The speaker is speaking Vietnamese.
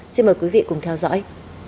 xin mời quý vị cùng theo dõi